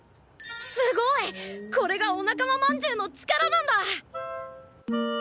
すごい！これがお仲間まんじゅうの力なんだ！